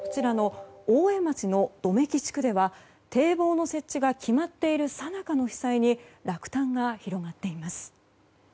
大江町の百目木地区では堤防の設置が決まっているさなかの被災に落胆が広がっています。